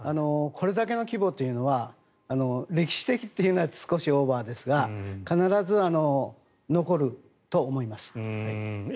これだけの規模というのは歴史的というのは少しオーバーですが必ず残ると思います。